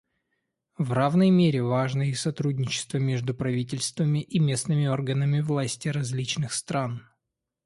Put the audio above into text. В равной мере важно и сотрудничество между правительствами и местными органами власти различных стран.